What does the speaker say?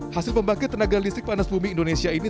hasil pembangkit tenaga listrik panas bumi indonesia ini